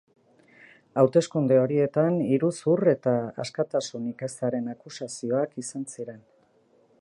Hauteskunde horietan iruzur eta askatasunik ezaren akusazioak izan ziren.